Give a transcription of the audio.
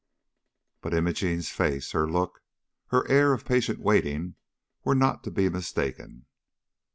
But Imogene's face, her look, her air of patient waiting, were not to be mistaken.